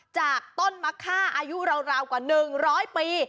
จากต้นมะค่าอายุราวกว่า๑๐๐ปี